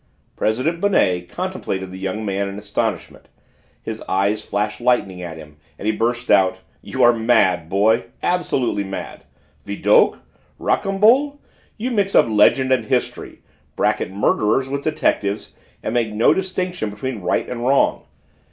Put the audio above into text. President Bonnet contemplated the young man in astonishment; his eyes flashed lightning at him and he burst out: "You are mad, boy, absolutely mad! Vidocq Rocambole! You mix up legend and history, bracket murderers with detectives, and make no distinction between right and wrong!